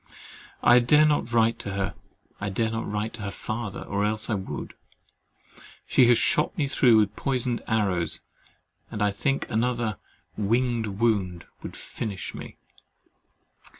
I dare not write to her, I dare not write to her father, or else I would. She has shot me through with poisoned arrows, and I think another "winged wound" would finish me.